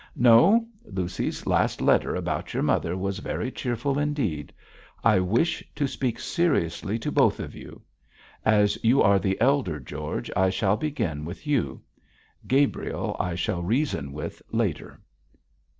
'No. Lucy's last letter about your mother was very cheerful indeed. I wish to speak seriously to both of you. As you are the elder, George, I shall begin with you; Gabriel, I shall reason with later.'